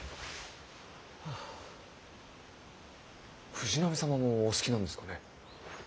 藤波様もお好きなんですかねえ。